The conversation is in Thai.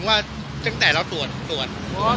ก็สอดคือผงเข้าแห่งวัน